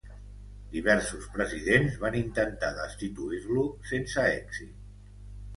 Diversos presidents van intentar destituir-lo, sense èxit.